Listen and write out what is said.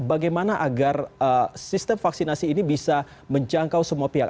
bagaimana agar sistem vaksinasi ini bisa menjangkau semua pihak